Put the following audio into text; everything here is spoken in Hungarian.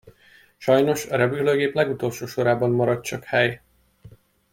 Sajnos a repülőgép legutolsó sorában maradt csak hely.